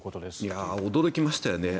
驚きましたよね。